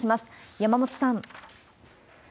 山本さん。